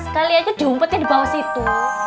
sekali aja jumpetnya di bawah situ